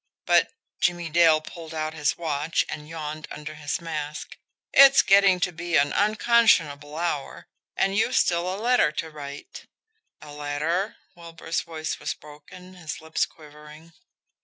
But" Jimmie Dale pulled out his watch, and yawned under his mask "it's getting to be an unconscionable hour and you've still a letter to write." "A letter?" Wilbur's voice was broken, his lips quivering.